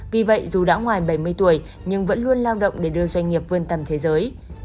vì vậy dù đã ngoài bảy mươi tuổi nhưng vẫn luôn lao động để đưa doanh nghiệp vươn tầm thế giới